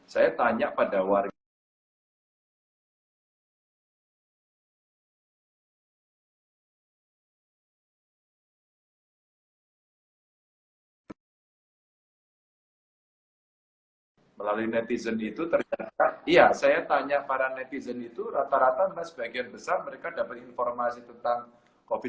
saya tanya pada warga melalui netizen itu ternyata iya saya tanya para netizen itu rata rata mas bagian besar mereka dapat informasi tentang covid sembilan belas